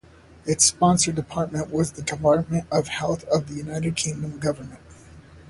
Its sponsor department was the Department of Health of the United Kingdom government.